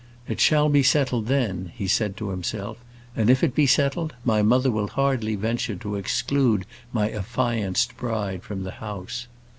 "It shall be settled then," he said to himself; "and if it be settled, my mother will hardly venture to exclude my affianced bride from the house."